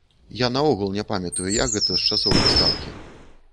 Я наогул не памятаю, як гэта, з часоў прыстаўкі.